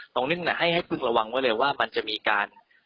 ตรงนี้ให้พึ่งระวังไว้เลยว่ามันจะมีการ